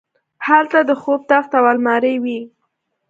هلته د خوب تخت او المارۍ وې